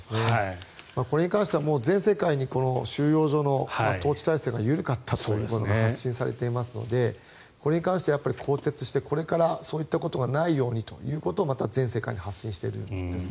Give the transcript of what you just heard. これに関しては全世界に収容所の統治体制が緩かったということが発信されていますのでこれに関しては更迭してこれから、そういったことがないようにということをまた全世界に発信しているんですね。